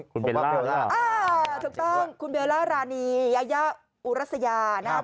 คุณเบลล่าเบลล่าถูกต้องคุณเบลล่ารานียายาอุรัสยานะครับ